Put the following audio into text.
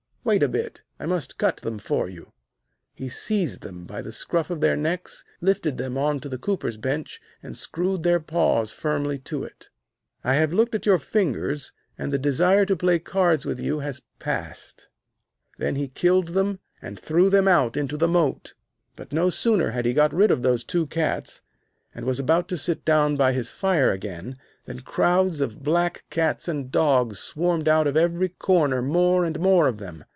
Wait a bit; I must cut them for you.' He seized them by the scruff of their necks, lifted them on to the cooper's bench, and screwed their paws firmly to it. [Illustration: Crowds of black cats and dogs swarmed out of every corner.] 'I have looked at your fingers, and the desire to play cards with you has passed.' Then he killed them and threw them out into the moat. But no sooner had he got rid of these two cats, and was about to sit down by his fire again, than crowds of black cats and dogs swarmed out of every corner, more and more of them.